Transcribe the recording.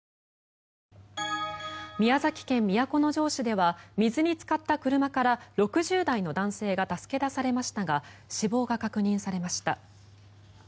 宮崎県都城市では水につかった車から６０代の男性が助け出されましたが死亡が確認されました。